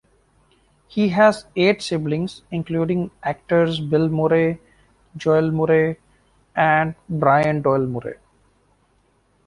He has eight siblings, including actors Bill Murray, Joel Murray and Brian Doyle-Murray.